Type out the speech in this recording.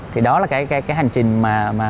thì đó là cái hành trình mà